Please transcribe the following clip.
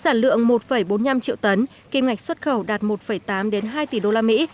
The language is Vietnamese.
sản lượng một bốn mươi năm triệu tấn kiếm ngạch xuất khẩu đạt một tám hai tỷ usd